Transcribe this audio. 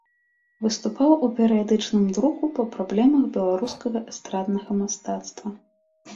Выступаў у перыядычным друку па праблемах беларускага эстраднага мастацтва.